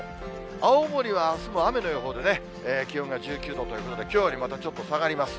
青森はあすも雨の予報でね、気温が１９度ということで、きょうよりもまたちょっと下がります。